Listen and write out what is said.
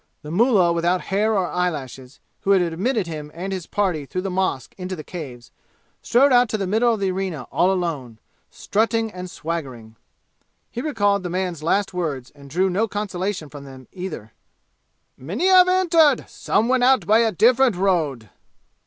The mullah without hair or eyelashes, who had admitted him and his party through the mosque into the Caves, strode out to the middle of the arena all alone, strutting and swaggering. He recalled the man's last words and drew no consolation from them, either. "Many have entered! Some went out by a different road!"